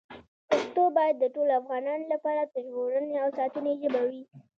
پښتو باید د ټولو افغانانو لپاره د ژغورنې او ساتنې ژبه وي.